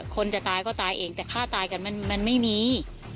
คนจะตายก็ตายเองแต่ฆ่าตายกันมันไม่มี